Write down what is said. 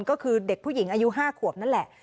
ก็คือเด็กผู้หญิงอายุ๕ขวบนั่นแหละ